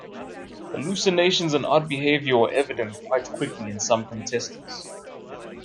Hallucinations and odd behaviour were evident quite quickly in some contestants.